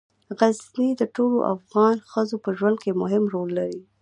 غزني د ټولو افغان ښځو په ژوند کې مهم رول لري.